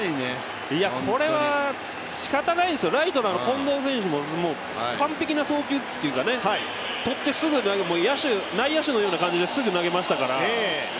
これは仕方ないですよ、ライトの近藤選手ももう完璧な送球というか、とってすぐ、内野手のような感じですぐ投げましたから。